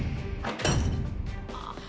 ああ。